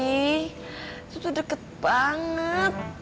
itu tuh deket banget